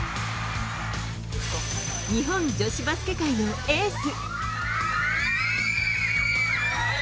日本女子バスケ界のエース。